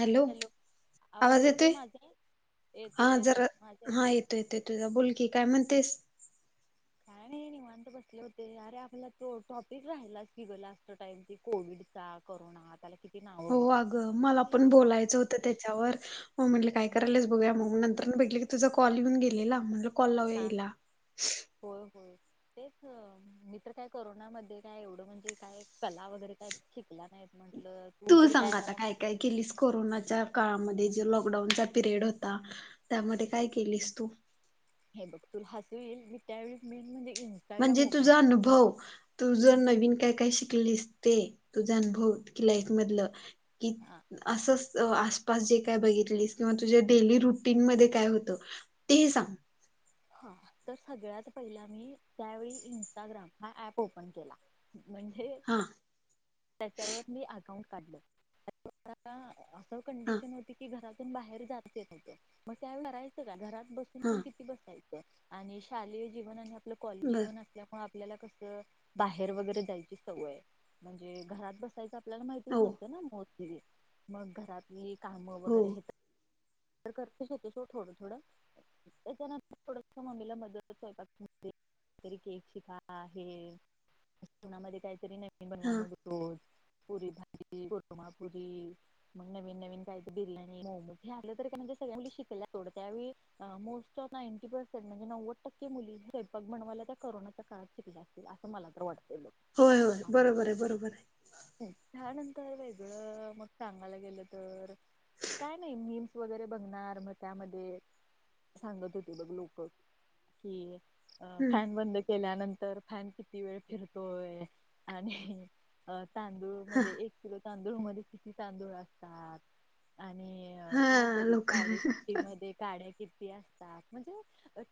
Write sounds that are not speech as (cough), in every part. Hello? आवाज येतोय, हा येतोय जरा येतोय माझा येतोय हा येतो येतो येतो बोलकी काय म्हण तेस, काय नाही, बसले होते. अरे आपल्याला तो टॉपिक राहिला कि ग लास्ट टाइम क कोविड चा करना, (unintelligible) हो अगं, मला पण बोलायचं होतं. त्याच्यावर हो म्हंटले काय करायलाच बघूया मग नंतर, नंतर ना बघितला. तुझ कॉल येऊन गेले म्हण कॉल हा हिला, होय होय (unintelligible) तेच मी तर्र काय कररोनामध्ये काय एवढं म्हणजे काय कला वगैरे काय शिकला नाही म्हण, तू सांग आता काय काय केलीस कोरोनाच्या काळात. लॉकडाऊनचा पिरयड होता. त्यामध्ये काय केलीस तू? हे बघ तुला हसू येईली त्यावेळेस मेन म्हणजे, इंस्टाग्राम म्हणजे ओपन तुझा केलं अनुभव, तुझ नवीन काय काही शिक शली ते तुझा अनुभव कि लाईफ मधल की हा अस, आसपास जे काय बघितली, किंवा तुझ्या डेली रुटीन मध्ये काय होतं ते सांग, हा तर सगळ्यात पहिला मी त्यावेळी इं्स्टाग्राम हा ऍप ओपन केला! म्हणजे हा त्याच्यावर मी अकाउंट काढल, हा कंडिशन होती की घरातून बाहेर जातते च येत नव्हता, मग करायच काय घरात हा बसून किती बसायचं, आणि शालेय जीवन आणि आपलं कॉलेज बर जीवन असल्या आपल्या कस बाहेर वगैरे जायची सवय, म्हणजे घरात बसायची. आपल्याला माहितीच हो नव्हतं ना मोस्टली, मग घरातली काम हो वगैरे हे करतेच येतो सोड थोडं, थोडं, त्याच्यानंतर थोड म्मीला मदत स्वपका मध्ये, काही तरी केक शिका आहे, घरा मध्ये काहीतरी नवीन हा बनवा मग रोज, पुरी भाजी कुर्मा, पुरी मग नवीन नवीन काय ते, बिर्याणी मॉमज हे आपलं तरी का म्हणजे, सगळ्या मुली शिखलंय सोड, त्यावेळी मोस्ट ऑफ निनेटी पेरसेन्ट, म्हणजे नावद टक्के मुली स्वैपाक बनवायला. कोरोनाच्या काळात शिकल्या असतील, असं मला तर वाटत. होय होय बरोबर आहे, बरोबर आहे, हनंतर वेगळं मग सांगायला गेलं तर, काय नाही मीम्स वगैरे बघणार मग त्यामध्ये, सांगत होते बघ लोक कि, अ हम्म फॅन बंद केल्यानंतर फॅन किती, वेळ फिरतोय आणि अ तांदूळ मध्ये, एक किलो तांदूळ मध्ये किती तांदूळ असतात. आणि हा कायतरी लोक कडी पेटे मध्ये काड्या किती, असतात म्हणजे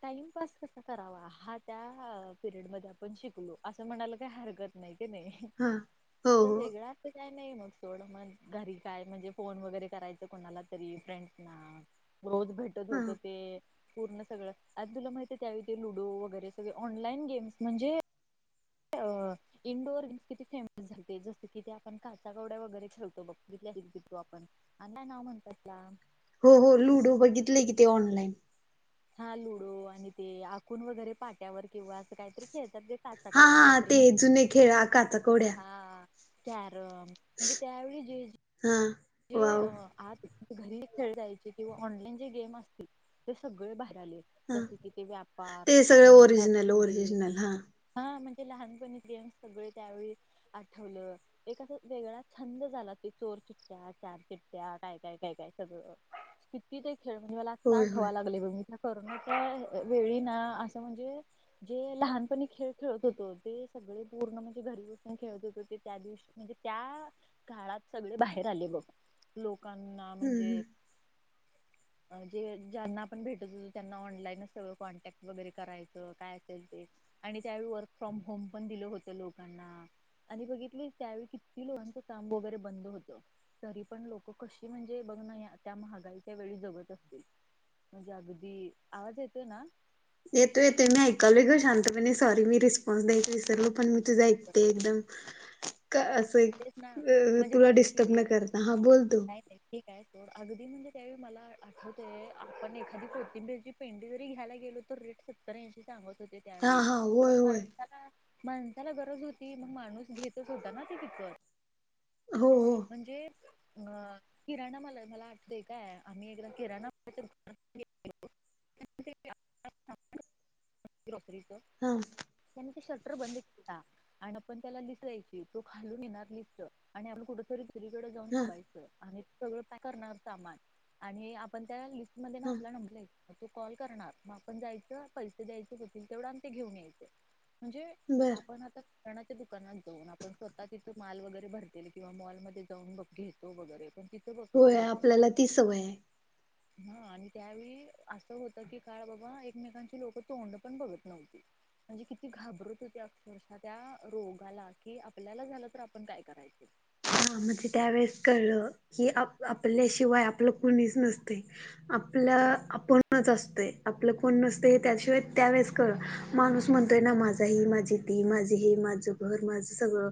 टाइमपास कसा करावा हा त्या पेरेड मध्ये आपण शीखलो, असं म्हणाला काही हरकत नाही, क नाही हा हो हो, वेगळा असं काय नाही मग सोडं मग घरी काय म्हणजे, फोन वगैरे करायचं कोणाला तरी फ्रेंड ना? रोज भेटत हा होत ते, पूर्ण सगळं आ तुला माहित आहे, त्यावेळी लुडो वगैरे सगळे ऑनलाईन गेम्स म्हणजे! अ इंडोअर गेम् किती फेमस झालते, जस कि ते आपण काचा कवड्या वगैरे खेळतो बघ. (unintelligible) आपण अण्णा ना म्हणतस क? हो हो लुडो बघितले, कि ते ऑनलाइन, हा लुडो आणि ते आकून वगैरे पाट्यावर किंवा असं काहीतरी खेळतात ग हा हा, ते जुने खेळ आ काचाकोड्या. हा कॅरम म्हणजे त्यावेळी जे जे हा जे वाव अ आत घरी खेळायचे किंवा ऑनलाईन जे गेम असतील ते सगळे बाहेर झाले हा जस की, ते व्यापार ते सगळे आणि ते ओरिजिनल सापशिडी ओरिजिनल हा हा नं ते लहानपणी गेम सगळे त्यावेळी आठवलं एक असा वेगळा छंद झाला ते चोर चिठ्ठया चार चिठ्ठया काय, काय, काय, काय सगळं किती ते खेळ? म्हणजे मला आत्ता होय होय आठवा लागलय बघ म कोरोनाच्या वेळी ना असं म्हणजे जे लहानपणी खेळ खेळत होतो ते सगळे पूर्ण म्हणजे घरी बसून खेळत होतो, ते त्या दिवशी म्हणजे त्या काळात सगळे बाहेर आले बघ. लोकांना हम्म म्हणजे हम्म (inaudible) अ जे ज्यांना आपण भेटत होतो, त्यांना ऑनलाईनच सगळं कॉन्टॅक्ट वगैरे करायचं काय असेल ते आणि त्यावेळी वर्क फ्रॉम होम पण दिलं होतं लोकांना. आणि बघितलीस, त्यावेळी किती लोकांच काम वगैरे बंद होत. तरी पण लोकं कशी म्हणजे, बघ ना त्या महागाईच्या वेळी जगत असतील? म्हणजे अगदी, आवाज येतोय ना? येतो येतोय, मी ऐकालोय ग शांतपणे सॉरी मी रिस्पॉन्स द्यायच विसरलो पण तुझं हो ऐकते एकदम का असं तेच ना अ म्हणजे तुला बघ डिस्टर्ब की न करता हा बोल तू. नाही नाही ठीक आहे अगदी म्हणजे त्यावेळी मला आठवतय, आपण एखादी कोथिंबिर ची पेंढी जरी घ्यायला गेलो तर रे एक सत्तर ऐंशी सांगत होते, हा त्यावेळी हा पण होय होय फायदा काय? माणसाला गरज होती मग माणूस घेतच होता ना ते विकत. हो हो म्हणजे अ किराणा मला मला आटतंय काय आम्ही इकडं किराणा (unintelligible) (unintelligible) (unintelligible) हा त्यांनी ते शटर बंद केला. आणि आपण त्याला लिस्ट द्यायची, तो खालून घेणार लिस्ट आणि आपल कुठ तरी सगळीकडे जाऊन हा (unintelligible) आणि सगळ पॅक करणार सामान आणि आपण त्या लिस्ट मध्ये ना हा आपला नंबर लिहा, म तो कॉल करणार मग आपण जायचं पैस ते द्यायच देतील तेवढ ते आणि घेऊन यायच, म्हणजे बर आपण आता दुकानात जाऊन आपण स्वतः तिथ माल वगैरे भरतेल किंवा मॉल मध्ये जाऊन बग घेतो वगैरे पण ती होय, आपल्याला ती सवय हाय. हा आणि त्यावेळी असं होत की? काय बाबा एकमेकांचे लोकं तोंड पण बघत नव्हती. म्हणजे किती घाबरत होते अक्षरशः त्या रोगाला, कि आपल्याला झालं तर आपण काय करायचं? हा म्हणजे त्यावेेळेस कळलं की, आप आपल्याशिवाय आपलं कुणीच नसतय. आपलं होय आपणच असतय. आपलं कोण नसतंय हे त्याशिवाय त्यावेेळेस कळलं, माणूस म्हणतोय ना माझा ही, माझी ती, माझी ही माझं घर, माझं सगळं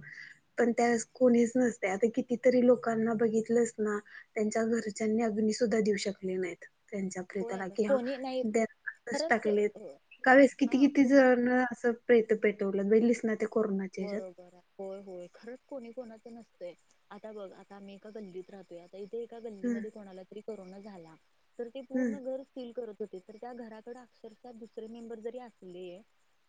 पण त्यावेळेस कोणीच नस ते आता कितीतरी लोकांना बघितलयस ना, त्यांच्या घरच्यांनी अग्नीसुद्धा देऊ शकले नाहीत. त्यांच्या होय प्रेताला कि हा कोणी नाही द्यात खरंच टाकलेत कावेळेस किती हा किती को जण असं प्रेतं पेटवलं बघितलीस ना ते? कोरोनाच्या ह्याच्यात. बरोबर हाय. होय होय, खरंच कोणी कोणाच नस तय आता बघ आता आम्ही एका गल्लीत राहतोय, आता इथे एका हम्म गल्लीमध्ये कोणाला तरी करोना झाला तर ते हम्म पूर्ण घर सील करत होते तर त्या घराकड अक्षरशः दुसरे मेंबर जरी असले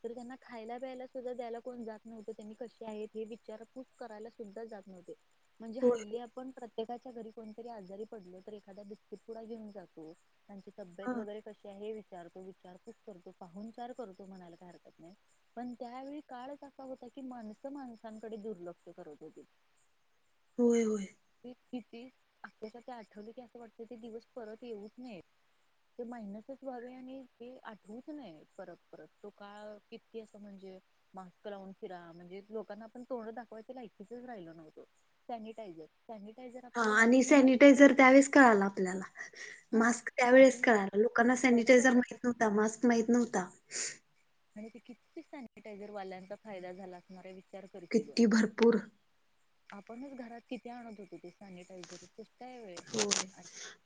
तर त्यांना खायला प्यायला सुद्धा द्यायला कोण जात न्हवते त्यांनी कसे आहेत? हे विचारपूस करायला सुद्धा जात नव्हते, म्हणजे होय हल्ली आपण प्रत प्रत्येकाच्या घरी कोणतरी आजारी पडल तर, एखादा बिस्कट पुढा घेऊन जातो त्यांची हा तब्येत वगैरे कशी आहे हे विचारतो. विचारपुस करतो. पाहूनचार करतो. म्हणायला का हरकत नाही पण त्यावेळी काळचं- - होता की माणस माणसांकडे दुर्लक्ष करत होते. होय, होय. किती (unintelligible) ते आठवले की असं वाटत ते दिवस परत येऊच नयेतं. ते मायनसच व्हावे आणि ते आठवूच नए परत परत तो का किती अस म्हणजे. मग. मास्क लावुन फिरा म्हणजे लोकांना आपण तोंडं दाखवायच्या लायकीचचं राहिलो नव्हतो. सॅनिटायझर सॅनिटायझर ह आपल्याला आणि ह्यापूर्वी माहित होतं सॅनिटायझर त्यावेळेस कळाला आपल्याला हा मास्क त्यावेळेस आणि कळाल. लोकांना असं बरोबर सॅनिटायझर आहे माहित नव्हता. मास्क माहीत नव्हता. आणि ते किती सॅनिटायझर वाल्यांचा फायदा झाला असणारायं. किती भरपूर. आपणच घरात किती आणत होते ते सॅनिटायझरच. हो.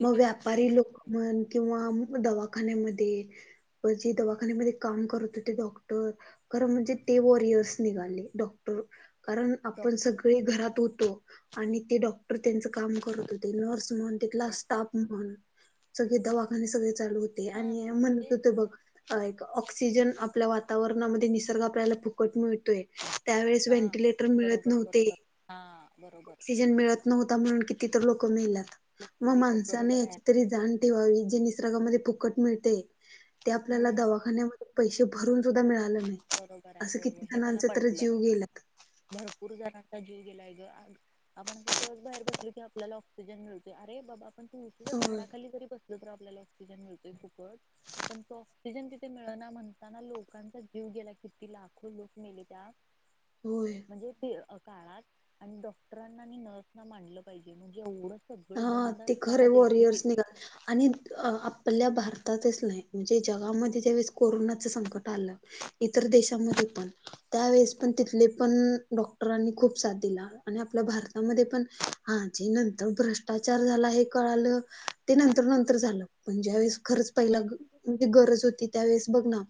मग व्यापारी लोक वापरायचे म्हण किंवा दवा - - खान्यामध्ये म जे दवाखान्यामध्ये काम करत डॉक्टर, खरं म्हणजे ते वर येत - - नर्स निघाले डॉक्टर - - कारण आपण डॉक्टर सगळे घरात होतो आणि ते डॉक्टर त्यांचं काम करतो होते. नर्स- - म्हणुन तितला स्टाफ म्हणुन सगळे दवाखाने सगळे चालु होते हा आणि हे म्हणत ते होते बघ - - एक ऑक्सिजन आपल्या वातावरणामध्ये निसर्ग आपल्याला फुकट मिळतोय. त्यावेळेस हा व्हेंटिलेटर मिळत बरोबर नव्हते. बरोबर हा बरोबर ऑक्सिजन मिळत नव्हता म्हणून किती तर लोक मेल्यात लोक मग विकत माणसाने बरोबर आहे याची तरी जाण ठेवा - - वी. जे निसर्गामध्ये फु फुकट मिळतंय ते आपल्याला हम्म दवाखान्यामध्ये पैसे भरूनसुद्धा मिळालं नाही. बरोबर आहे. असं हो किती हे मला जणांच तर पटलं. जीव गेलात भरपूर जण - - जीव गेलाय आपण असं सहज बाहेर बसलो की आपल्याला ऑक्सिजन मिळतोय अरे बाबा! पण त होय झाडाखाली जरी बसलो ना आपल्याला ऑक्सिजन मिळतोय फुकट पण, तो ऑक्सिजन तिथे मिळना म्हटल्यावर लोकांचा जीव जीव गेला किती लाखो लोक मेले त्यात होय म्हणजे ते - - काळात आणि डॉक्टरांना आणि नर्सना मानलं पाहिजे म्हणजे एवढं सगळं हा बंद ते असताना खरे वॉरियर्स देखील निघा आणि आपल्या भारतातच नाही म्हणजे जगामध्ये ज्यावेळे कोरोनाच संकट आलं. इतर देशामध्ये त्यावेळेस पण तिथले पण डॉक्टरांनी खूप साथ दिला आणि आपल्या भारतामध्ये पण - - आजे नंतर भ्रष्ट चार झाला हे कळाल ते नंतर नंतर झालं, पण ज्यावेळेस खरच पहिला (unintelligible) गरज होती त्यावेळेस बघ ना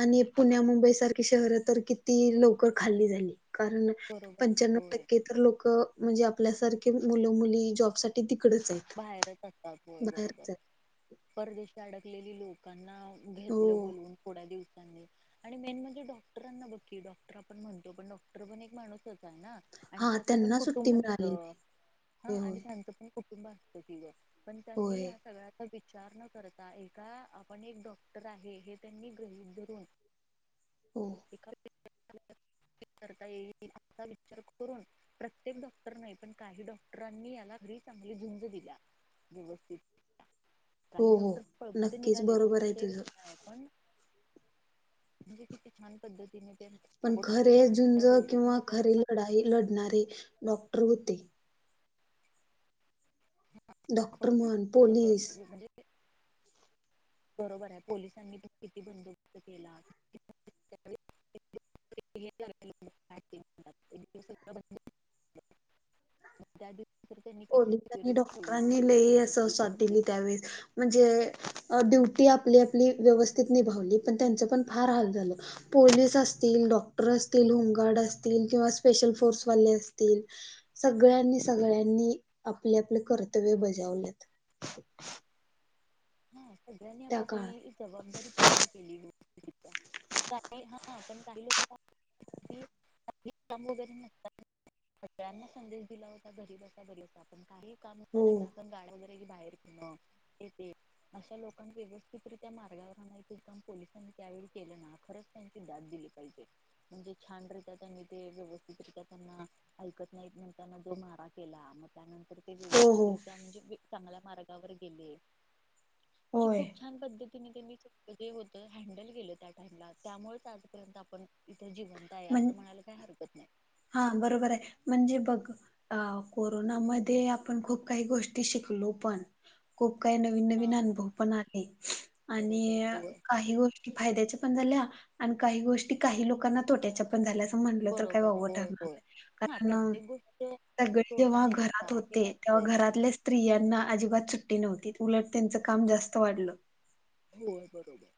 आणि पुण्या, मुंबई सारख शहर तर किती लवकर खाली झाली. कारण बरोबर पंच्यानऊ होय टक्के तर लोक म्हणजे आपल्यासारखे मुलं मुली जॉबसाठी ति बाहेरच असतात. हो बरोबर आहेत परदेशी अडकलेली लोकांना - - हो घेतलं बोलून थोड्या दिवस - - आणि मेन म्हणजे डॉक्टरांना बकी डॉक्टर आपण म्हणतो पण डॉक्टर पण एक माणूस - - ना आणि हा त्याचं पण त्यांना सुट्टी कुटुंब असत. मिळाली नाही. हा होय आणि त्यांचं पण कुटुंब असत. होय किंग, पण त्यांनी होय होय ह्या सगळ्याचा विचार विचार न करता एका आपण एक डॉक्टर आहे हे त्यांनी ग्रहित धरून हो एखा करता येईल असा विचार करून प्रत्येक डॉक्टर नाही पण काही डॉक्टरांनी याला - - चांगली झुंज दिल्या व्यवस्थित. हो काही हो डॉक्टर पळकुटे नक्कीच निघाले. तो बरोबर आहे विषय तुझं. आहे पण म्हणजे किती छान पद्धतीने - - पण खरे झुंज किंवा आपल्याला खरीे लढाई लढणारे डॉक्टर होते. डॉक्टर म्हण पोलीस म्हणजे बरोबर आहे पोलिसांनी तुम्ही किती बंदोबस्त केला (inaudible) मग त्या दिवशी तर त्यांनी किती शिक्युरिटी ठेवली लय अस साथ दिलीत त्यावेळेस म्हणजे ड्यूटी आपली आपली व्यवस्थित निभावली पण त्यांच पण फार हाल झाले पोलीस असतील डॉक्टर अस होमगार्ड असतील किंवा स्पेशल फोर्सवाले असतील सगळ्यांनी सगळ्यांनी आपले आपले कर्तव्य बजावलेत हा सगळ्यांनी आप त्या काळात आपली जबाबदारी पूर्ण केलेली का हा पण काही लोक काम वगैरे नसतात सगळ्यांना संदेश दिला होता घरी बसा घरी अस आपण काही काम हो नाही ना पण गाड्या वगैरे बाहेर पेने अशा लोकां व्यवस्थितरित्या मार्गावर आणायचं काम पोलिसांनी त्यावेळी केलं ना खरच त्यांची दाद दिली म्हणजे छान रित्या त्यांना ते व्यवस्थितरित्या त्यांना ऐकत नाही म्हणताना मारा केला मग त्यानंतर ते हो हो व्यवस्थितरित्या म्हणजे चांगल्या मार्गावर गेले म्हणजे होय खूप छान पद्धती नी होत हँडल केलं त्या टाइमला त्यामुळेच आजपर्यंत आपण ते जिवंत आहे अस म्हण म्हणायला काही हरकत नाही. हा बरोबर आहे म्हणजे बघ अ कोरोनामध्ये आपण खूप काही गोष्टी शिकलो. हो पण खूप काही नवीन नवीन हा अनुभव पण आले आणि बरोबर होय काही गोष्टी फायद्याच्या पण झाल्या आणि काही गोष्टी काही लोकांना तोट्याच्या पण झाल्या अस म्हटल तर काय बरोबर वावग होय होय हा कारण प्रत्येक गोष्ट (unintelligible) सगळे तोटा जेव्हा आणि घरात नफा हे होते तेव्हा असतंच घरातल्या स्त्रियांना अजिबात सूट्टी सुट्टी नव्हतीच उलट त्यांच काम जास्त वाढल. हो बरोबर.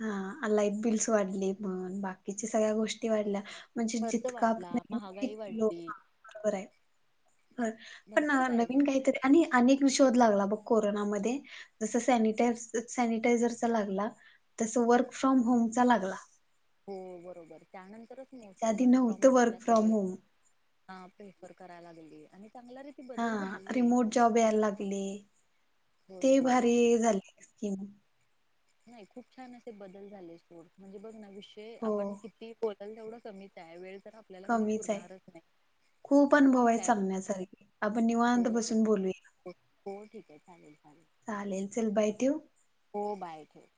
हा लाईट बिल्स वाढली म्हण बाकीच्या सगळ्या गोष्टी वाढल्या म्हणजे खर्च जितका पण वाढला आहे त महागाई लोक वाढली बरोबर आहे पण भरपूर काही नवीन गोष्टी काहीतरी आणि अनेक विष शोध लागला बघ कोरोना मध्ये जस सॅनिटायझ सॅनिटायझरचा लागला. तस वर्क फ्रॉम होम चा लागला. हो बरोबर त्यानंतरच त्याच्या मोस आधी वर्क फ्रॉम नव्हतं होमला वर्क फ्रॉम सगळे. होम हा प्रेपर करायला लागला गेली आणि चांगल्या रीती हा बदल झाले रिमोट जॉब यायला लागली होय ते होय भारी खूप झाले स्कीम नाही खूप छान असे बदल झाले सोड म्हणजे बघ ना विषय हो आपण किती तेवढा कमीच आहे वेळ तर आपल्याला कधी कमीच आहे. पुरणारच नाही खूप अनुभव आहे सांगण्यासारखे आपण हो निवांत हो बसून बोलूया. हो हो ठीक आहे चालेल चालेल चालेल चल बाय ठेऊ. हो बाय ठेव.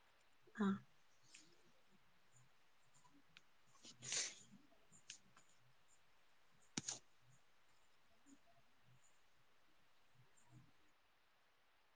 हा